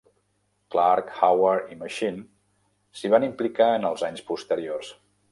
Clark, Howard i Machine s'hi van implicar en els anys posteriors.